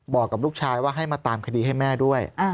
บอกกับลูกชายว่าให้มาตามคดีให้แม่ด้วย